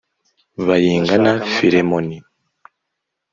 Bayingana Philemon